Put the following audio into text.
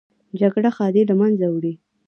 جګړه ښادي له منځه وړي